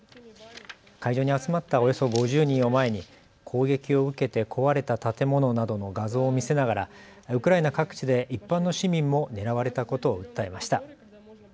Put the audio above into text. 会場に集まったおよそ５０人を前に攻撃を受けて壊れた建物などの画像を見せながらウクライナ各地で一般の市民も狙われたことを訴えました。